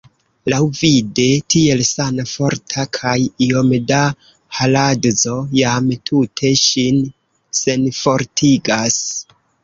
Laŭvide tiel sana, forta, kaj iom da haladzo jam tute ŝin senfortigas!